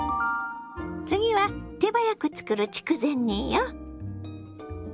次は手早く作る筑前煮よ。